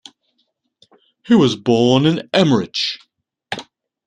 He was born in Emmerich.